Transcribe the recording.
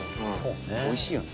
おいしいよね。